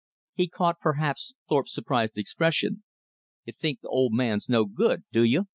He caught, perhaps, Thorpe's surprised expression. "You think th' old man's no good, do you?"